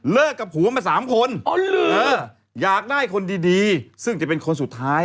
เลิกกับผูมาสามคนอ๋อเลิกอยากได้คนดีซึ่งจะเป็นคนสุดท้าย